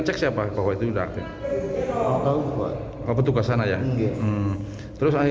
terus akhirnya ada pakenya apa